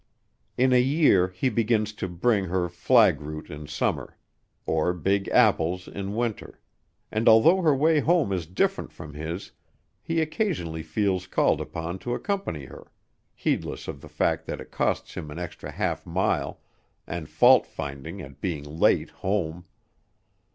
In a year he begins to bring her flag root in summer, or big apples in winter, and although her way home is different from his, he occasionally feels called upon to accompany her, heedless of the fact that it costs him an extra half mile and fault finding at being late home.